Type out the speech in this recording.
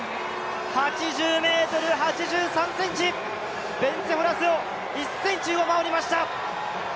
８０ｍ８３ｃｍ、ベンツェ・ホラスを１ｃｍ上回りました。